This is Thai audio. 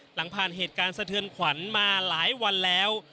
หลังผ่านเหตุการณ์สะเทือนขวัญมาหลายวันแล้ว